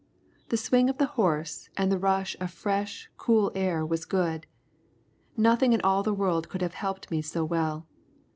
The swing of the horse and the rush of fresh, cool air was good. Nothing in all the world could have helped me so well.